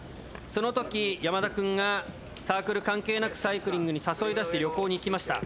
その時山田くんがサークル関係なくサイクリングに誘い出して旅行に行きました。